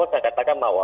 saya akan beritahu